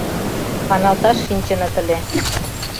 Каналташ шинчыныт ыле.